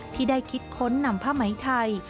ที่ได้คิดค้นนำผ้าไหมไทย